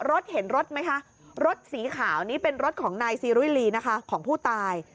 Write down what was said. รถเห็นรถไหมคะรถสีขาวนี่เป็นรถของนายซีรุยลีนะคะของผู้ตาย